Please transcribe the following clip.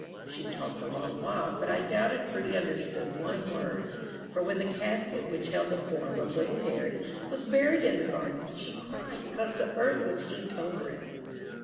She talked a long while, but I doubt if Prudy understood one word, for when the casket which held the form of little Harry was buried in the garden, she cried because the earth was heaped over it.